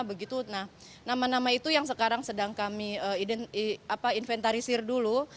begitu nah nama nama itu yang sekarang sedang kami inventarisir dulu